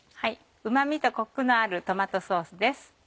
うま味とコクのあるトマトソースです。